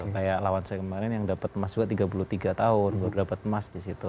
kayak lawan saya kemarin yang dapat emas juga tiga puluh tiga tahun baru dapat emas di situ